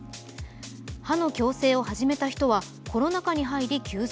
歯の矯正を始めた人はコロナ禍に入り急増。